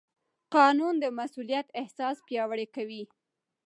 قانون د مسوولیت احساس پیاوړی کوي.